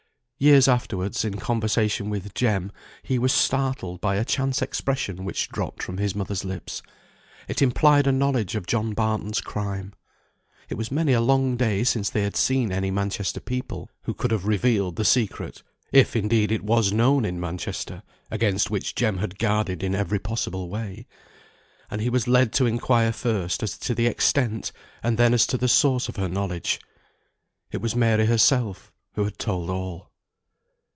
Years afterwards in conversation with Jem, he was startled by a chance expression which dropped from his mother's lips; it implied a knowledge of John Barton's crime. It was many a long day since they had seen any Manchester people who could have revealed the secret (if indeed it was known in Manchester, against which Jem had guarded in every possible way). And he was led to inquire first as to the extent, and then as to the source of her knowledge. It was Mary herself who had told all.